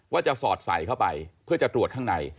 ว่าจะสอดใส่เข้าไปเพื่อจะตรวจข้างใน